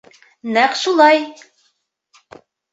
— Нәҡ шулай.